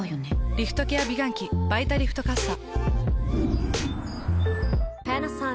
リフトケア美顔器「バイタリフトかっさ」。